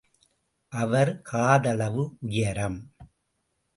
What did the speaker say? அவர் காதளவு உயரம்.